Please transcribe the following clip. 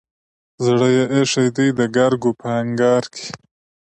زړه يې ايښی دی دګرګو په انګار کې